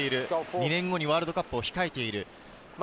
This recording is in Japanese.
２年後にワールドカップを控えている。